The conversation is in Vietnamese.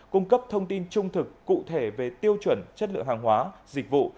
cung cấp thông tin trung thực cụ thể về tiêu chuẩn chất lượng hàng hóa dịch vụ